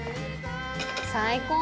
「最高！」